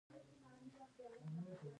غزني د افغانستان د طبیعي زیرمو برخه ده.